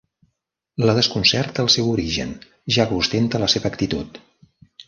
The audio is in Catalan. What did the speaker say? La desconcerta, el seu origen, ja que ostenta la seva actitud.